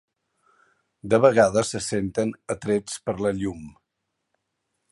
De vegades se senten atrets per la llum.